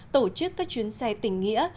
tổ chức các chuyến xe tỉnh nghĩa